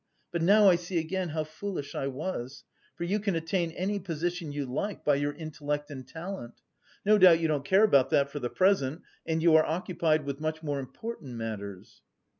But now I see again how foolish I was, for you can attain any position you like by your intellect and talent. No doubt you don't care about that for the present and you are occupied with much more important matters...."